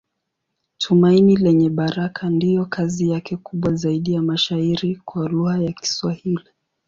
Tumaini Lenye Baraka ndiyo kazi yake kubwa zaidi ya mashairi kwa lugha ya Kiswahili.